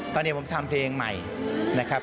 ตอนนี้ผมทำเพลงใหม่นะครับ